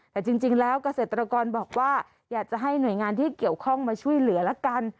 แต่จริงแล้วเกษตรกรบอกว่าอยากจะให้หน่วยงานที่เกี่ยวข้องมาช่วยเหลือละกัน